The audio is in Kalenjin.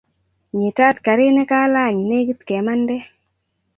Nyitat karini kalaany negit kemande.